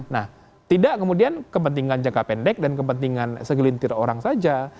nah tidak kemudian kepentingan jangka pendek dan kepentingan segelintir orang saja